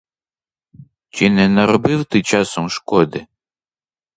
Чи не наробив ти часом шкоди?